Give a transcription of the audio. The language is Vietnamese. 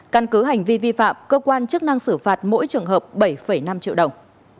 căn cứ hành vi vi phạm cơ quan chức năng xử phạt mỗi trường hợp bảy năm triệu đồng